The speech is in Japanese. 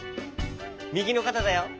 みぎのかただよ。